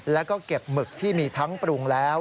แล้วก็เก็บหมึกที่มีทั้งปรุงแล้ว